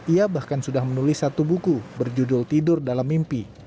ia bahkan sudah menulis satu buku berjudul tidur dalam mimpi